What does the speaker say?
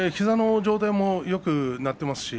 膝の状態もよくなっています。